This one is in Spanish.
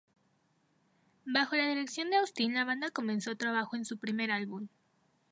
Bajo la dirección de Austin la banda comenzó trabajo en su primer álbum.